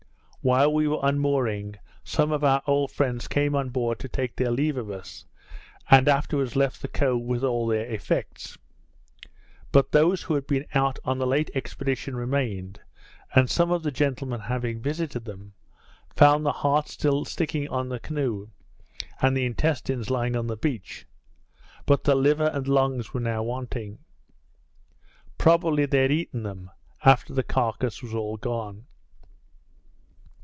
While we were unmooring, some of our old friends came on board to take their leave of us, and afterwards left the cove with all their effects; but those who had been out on the late expedition remained; and some of the gentlemen having visited them, found the heart still sticking on the canoe, and the intestines lying on the beach; but the liver and lungs were now wanting. Probably they had eaten them, after the carcase was all gone.